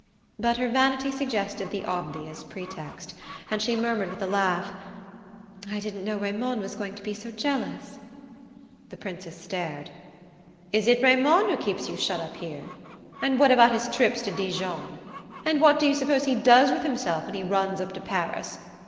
But her vanity suggested the obvious pretext, and she murmured with a laugh: "I didn't know Raymond was going to be so jealous " The Princess stared. "Is it Raymond who keeps you shut up here? And what about his trips to Dijon? And what do you suppose he does with himself when he runs up to Paris?